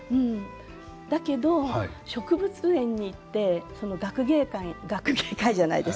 だけど植物園に行って学芸会じゃないです